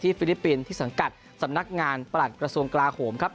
ฟิลิปปินส์ที่สังกัดสำนักงานประหลัดกระทรวงกลาโหมครับ